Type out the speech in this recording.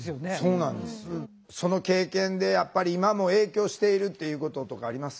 その経験でやっぱり今も影響しているっていうこととかあります？